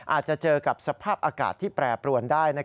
อาจจะเจอกับสภาพอากาศที่แปรปรวนได้